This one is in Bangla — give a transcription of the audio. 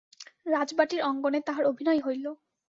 রাজবাটির অঙ্গনে তাহার অভিনয় হইল।